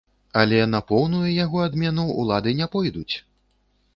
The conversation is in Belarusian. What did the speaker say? Але на поўную яго адмену ўлады не пойдуць?